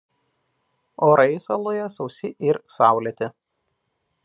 Orai saloje sausi ir saulėti.